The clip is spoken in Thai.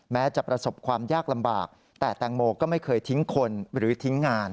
แม้จะประสบความยากลำบากแต่แตงโมก็ไม่เคยทิ้งคนหรือทิ้งงาน